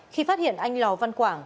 khi phát hiện anh lào văn quảng